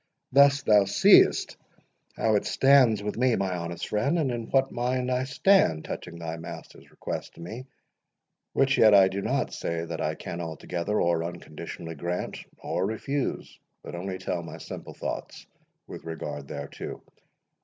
Thus thou seest how it stands with me, my honest friend, and in what mind I stand touching thy master's request to me; which yet I do not say that I can altogether, or unconditionally, grant or refuse, but only tell my simple thoughts with regard thereto.